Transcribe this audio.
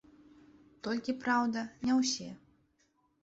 Толькі, праўда, не ўсе.